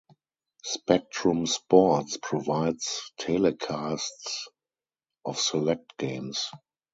Spectrum Sports provides telecasts of select games.